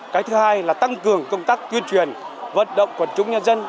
cái thứ hai là tăng cường công tác tuyên truyền vận động quần chúng nhân dân